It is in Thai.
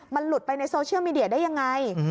มันหลุดไปในโซเชียลมีเดียได้ยังไง